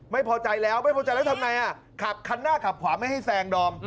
ไม่พอใจแล้วทำไงอ่ะขันหน้ากับขวาไม่ให้แซงดอง